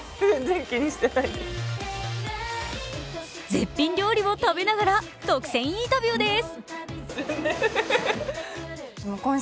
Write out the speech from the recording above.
絶品料理を食べながら、独占インタビューです。